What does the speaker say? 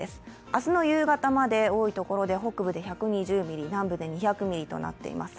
明日の夕方まで多いところで北部で１２０ミリ、南部で２００ミリとなっています。